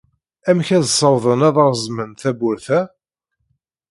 Amek ay ssawḍen ad reẓmen tawwurt-a?